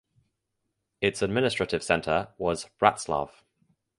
Its administrative centre was Bratslav.